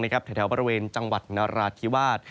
แถวบริเวณจังหวัดนราธิวาส